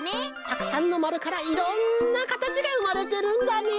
たくさんのまるからいろんなかたちがうまれてるんだね！